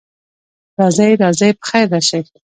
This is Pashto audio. راځئ، راځئ، پخیر راشئ.